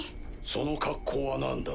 その格好はなんだ？